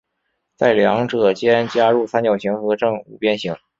在两者间加入三角形和正五边形。